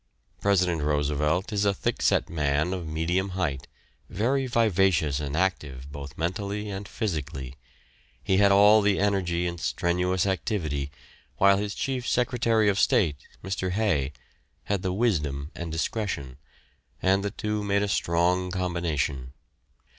President Roosevelt is a thick set man of medium height, very vivacious and active, both mentally and physically. He had all the energy and strenuous activity, while his Chief Secretary of State, Mr. Hay, had the wisdom and discretion, and the two made a strong combination.